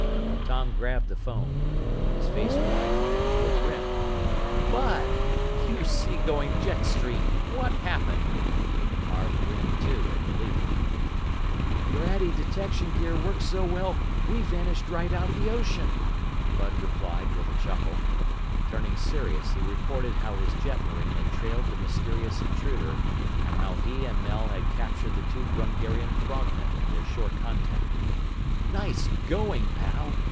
Tom grabbed the phone. His face widened into a grin. "Bud! You seagoing jet stream! What happened?" Arv grinned, too, in relief. "Your antidetection gear worked so well we vanished right out of the ocean!" Bud replied with a chuckle. Turning serious, he reported how his jetmarine had trailed the mysterious intruder and how he and Mel had captured the two Brungarian frogmen and their shore contact. "Nice going, pal!"